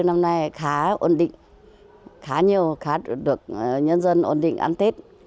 năm nay khá ổn định khá nhiều khác được nhân dân ổn định ăn tết